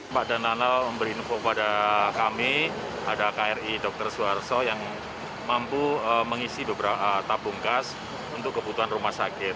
pak dan anal memberi info kepada kami ada kri dr suharto yang mampu mengisi beberapa tabung gas untuk kebutuhan rumah sakit